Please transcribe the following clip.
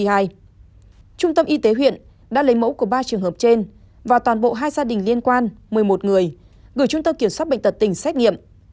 trung tâm y tế huyện đã lấy mẫu của ba trường hợp trên và toàn bộ hai gia đình liên quan một mươi một người gửi trung tâm kiểm soát bệnh tật tỉnh xét nghiệm